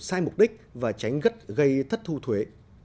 sai mục đích và tránh gây thất thu thuế